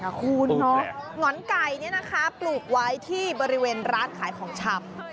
คุณหงอนไก่เนี่ยนะคะปลูกไว้ที่บริเวณร้านขายของชำ